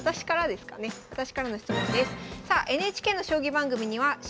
私からの質問です。